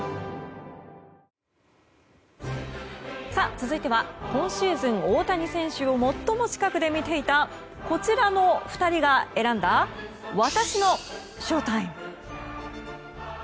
続いては今シーズン大谷選手を最も近くで見ていたこちらの２人が選んだ私のＳＨＯＴＩＭＥ。